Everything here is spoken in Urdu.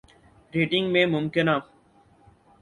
ریٹنگ میں ممکنہ